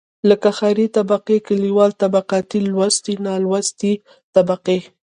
لکه ښاري طبقې، کليواله طبقه لوستې، نالوستې طبقې.